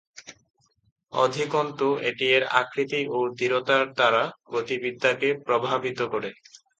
অধিকন্তু, এটি এর আকৃতি ও দৃঢ়তার দ্বারা গতিবিদ্যাকে প্রভাবিত করে।